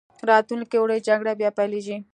راتلونکې اونۍ جګړه بیا پیلېږي.